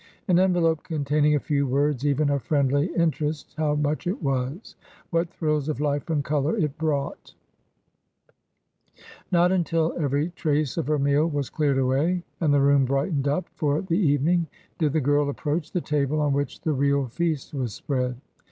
An envelope containing a few words even of friendly inter est — how much it was ! what thrills of life and colour it brought ! Not until every trace of her meal was cleared away and the room brightened up for the evening did the girl approach the table on which the real feast was spread.